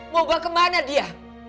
mau bawa kemana dia